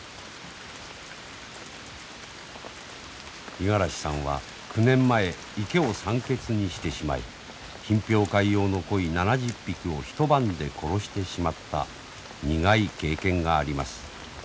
五十嵐さんは９年前池を酸欠にしてしまい品評会用の鯉７０匹を一晩で殺してしまった苦い経験があります。